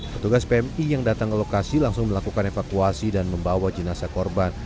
petugas pmi yang datang ke lokasi langsung melakukan evakuasi dan membawa jenazah korban